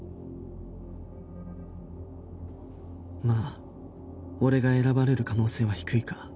まあ俺が選ばれる可能性は低いか